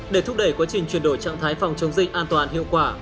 để thúc đẩy quá trình chuyển đổi trạng thái phòng chống dịch an toàn hiệu quả